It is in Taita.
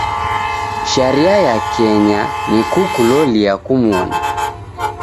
Sharia ya Kenya, ni kukulolia kumoni.